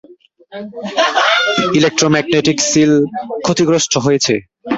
Electromagnetic seal ক্ষতিগ্রস্ত হয়েছে।